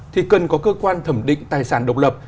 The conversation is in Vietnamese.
thì cần có cơ quan thẩm định tài sản độc lập